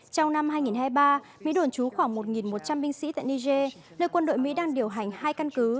trong năm hai nghìn hai mươi ba mỹ đồn trú khoảng một một trăm linh binh sĩ tại niger nơi quân đội mỹ đang điều hành hai căn cứ